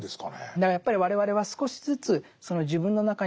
だからやっぱり我々は少しずつその自分の中にあるコトバ